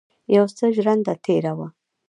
یو څه ژرنده تېره وه.